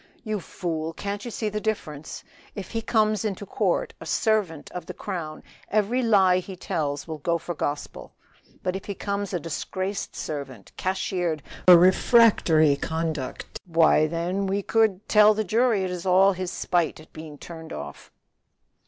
"You fool, can't you see the difference? If he comes into court a servant of the crown every lie he tells will go for gospel. But if he comes a disgraced servant, cashiered for refractory conduct, why then we could tell the jury it is all his spite at being turned off."